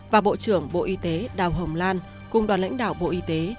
và bộ trưởng bộ y tế đào hồng lan cùng đoàn lãnh đạo bộ y tế